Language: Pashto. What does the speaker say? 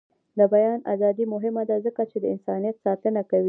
د بیان ازادي مهمه ده ځکه چې د انسانیت ساتنه کوي.